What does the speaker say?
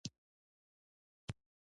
هغه د ځان لپاره له کرامت لاس نه اخلي.